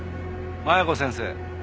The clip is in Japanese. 麻弥子先生。